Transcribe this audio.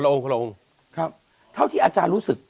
คนละองค์คนละองค์ครับเท่าที่อาจารย์รู้สึก